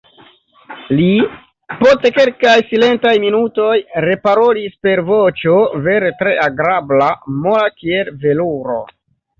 Li, post kelkaj silentaj minutoj, reparolis per voĉo vere tre agrabla, mola kiel veluro: